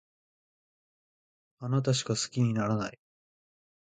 あなたしか好きにならない